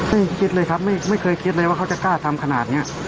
ไม่คิดเลยครับไม่เคยคิดเลยว่าเขาจะกล้าทำขนาดนี้